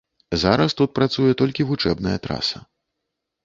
Зараз тут працуе толькі вучэбная траса.